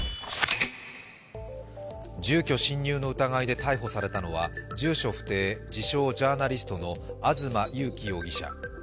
住居侵入の疑いで逮捕されたのは、住所不定、自称・ジャーナリストの東優樹容疑者。